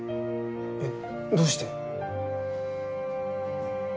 えっどうして？